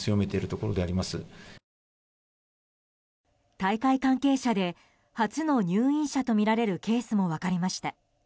大会関係者で初の入院者とみられるケースも分かりました。